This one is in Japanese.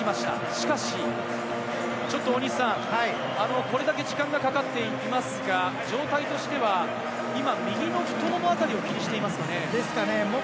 しかし、ちょっとこれだけ時間がかかっていますが、状態としては右の太ももあたりを気にしていますかね？